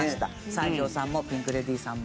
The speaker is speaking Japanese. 西城さんもピンク・レディーさんも。